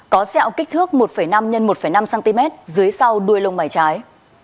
có xeo kích thước một năm x một năm cm dưới sau đuôi lông mái trái